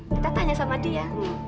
kita tanya sama dia